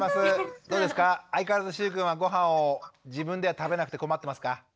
どうですか相変わらずしゅうくんはごはんを自分では食べなくて困ってますか？